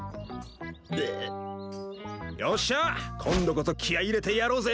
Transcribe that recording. よっしゃ今度こそ気合い入れてやろうぜ！